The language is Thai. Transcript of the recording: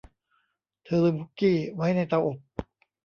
เธอลืมคุกกี้ไว้ในเตาอบ